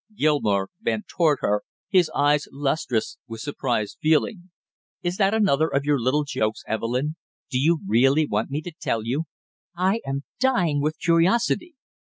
Gilmore bent toward her, his eyes lustrous with suppressed feeling. "Isn't that another of your little jokes, Evelyn? Do you really want me to tell you?" "I am dying with curiosity!"